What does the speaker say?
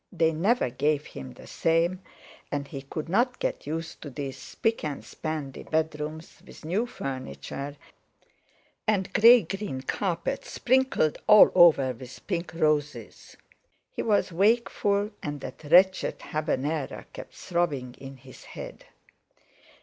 They never gave him the same, and he could not get used to these "spick and spandy" bedrooms with new furniture and grey green carpets sprinkled all over with pink roses. He was wakeful and that wretched Habanera kept throbbing in his head.